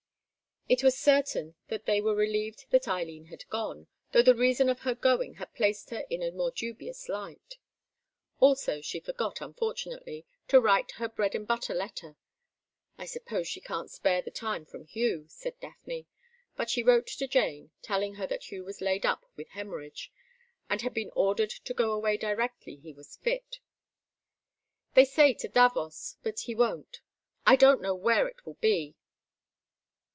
It was certain that they were relieved that Eileen had gone, though the reason of her going had placed her in a more dubious light. Also, she forgot, unfortunately, to write her bread and butter letter. "I suppose she can't spare the time from Hugh," said Daphne. But she wrote to Jane, telling her that Hugh was laid up with hemorrhage, and had been ordered to go away directly he was fit. "They say Davos, but he won't. I don't know where it will be."